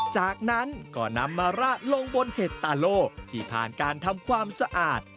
จากนั้นก็นำมาราดลงบนเห็ดตาโล่ที่ผ่านการทำความสะอาด